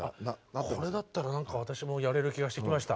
これだったらなんか私もやれる気がしてきました。